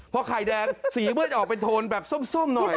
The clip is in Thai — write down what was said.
เพราะไข่แดงสีเวิดออกเป็นโทนแบบส้มส้อมหน่อย